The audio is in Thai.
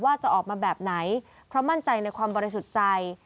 ว่าจะออกมาแบบไหนเพราะมั่นใจในความบริสุทธิ์ใจ